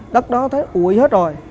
đất đó thấy ủi hết rồi